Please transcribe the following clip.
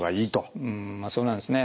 まあそうなんですね。